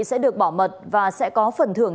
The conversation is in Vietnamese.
sẽ được bỏ mật và sẽ có phần thưởng